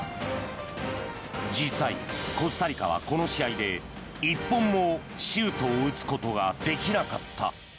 実際、コスタリカはこの試合で１本もシュートを打つことができなかった。